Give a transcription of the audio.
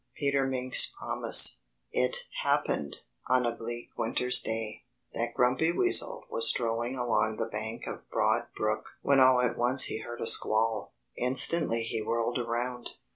XXV PETER MINK'S PROMISE It happened, on a bleak winter's day, that Grumpy Weasel was strolling along the bank of Broad Brook when all at once he heard a squall. Instantly he whirled around.